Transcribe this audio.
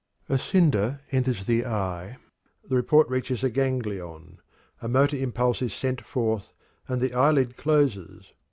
A cinder enters the eye, the report reaches a ganglion, a motor impulse is sent forth, and the eyelid closes.